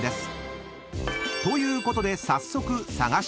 ［ということで早速］